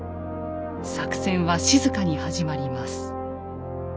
作戦は静かに始まります。